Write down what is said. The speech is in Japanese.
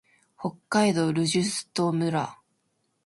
北海道留寿都村